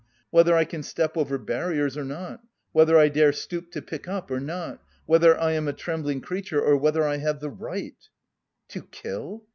Whether I can step over barriers or not, whether I dare stoop to pick up or not, whether I am a trembling creature or whether I have the right..." "To kill?